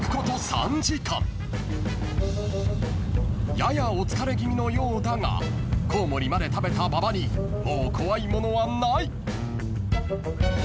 ［ややお疲れ気味のようだがコウモリまで食べた馬場にもう怖いものはない］